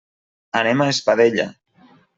Anem a Espadella.